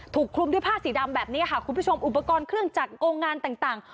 คลุมด้วยผ้าสีดำแบบนี้ค่ะคุณผู้ชมอุปกรณ์เครื่องจักรโกงงานต่าง